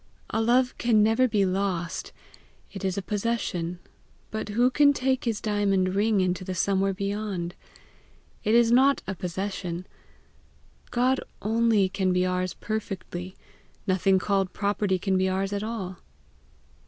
A love can never be lost; it is a possession; but who can take his diamond ring into the somewhere beyond? it is not a possession. God only can be ours perfectly; nothing called property can be ours at all."